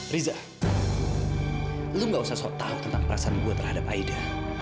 riza lu gak usah tahu tentang perasaan gue terhadap aida